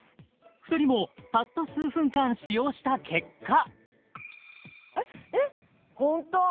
２人もたった数分間使用した結果ホント！